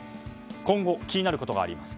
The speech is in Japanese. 今後、気になることがあります。